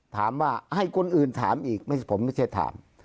ถามว่าให้คนอื่นถามอีกไม่ใช่ผมไม่ใช่ถาม